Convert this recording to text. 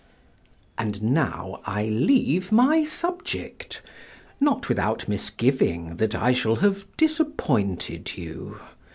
And now I leave my subject, not without misgiving that I shall have disappointed you.